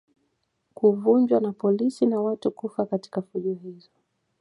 Kuvunjwa na polisi na watu kufa katika fujo hizo